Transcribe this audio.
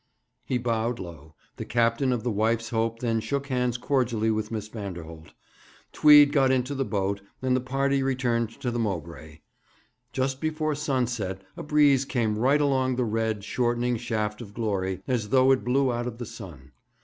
He bowed low. The captain of the Wife's Hope then shook hands cordially with Miss Vanderholt. Tweed got into the boat, and the party returned to the Mowbray. Just before sunset a breeze came right along the red, shortening shaft of glory, as though it blew out of the sun.